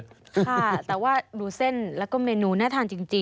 ค่ะแต่ว่าดูเส้นแล้วก็เมนูน่าทานจริง